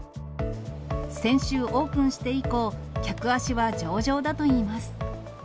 先週、オープンして以降、客足は上々だといいます。